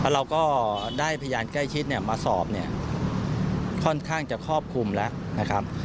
เราก็ได้พยานใกล้ชิดมาสอบเนี่ยค่อนข้างจะครอบคลุมแล้วนะครับ